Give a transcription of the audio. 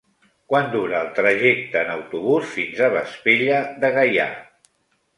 Quant dura el trajecte en autobús fins a Vespella de Gaià?